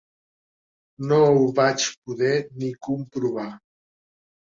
No ho vaig poder ni comprovar.